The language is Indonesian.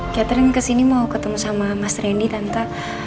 catherine kesini mau ketemu sama mas randy tante